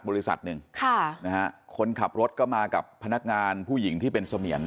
บริษัทหนึ่งค่ะนะฮะคนขับรถก็มากับพนักงานผู้หญิงที่เป็นเสมียน